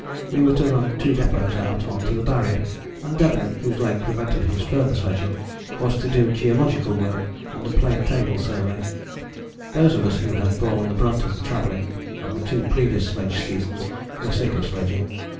We were to run two depôts out on to the Barrier, and Debenham, whose leg prevented his further sledging, was to do geological work and a plane table survey. Those of us who had borne the brunt of the travelling of the two previous sledge seasons were sick of sledging.